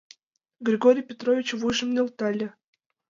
Григорий Петрович вуйжым нӧлтале.